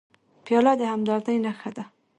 پیاله د همدردۍ نښه ده.